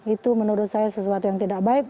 itu menurut saya sesuatu yang tidak baik